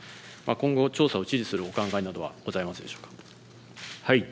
今後調査を指示するお考えなどはございますでしょうか。